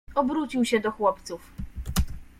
"Obrócił się do chłopców."